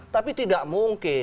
tapi tidak mungkin